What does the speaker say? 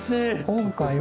今回は。